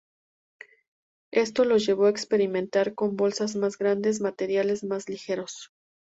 Esto los llevó a experimentar con bolsas más grandes y materiales más ligeros.